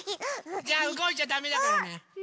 じゃあうごいちゃだめだからね。